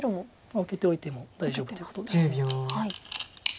受けておいても大丈夫ということです。